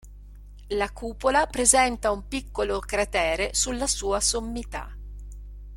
La cupola presenta un piccolo cratere sulla sua sommità.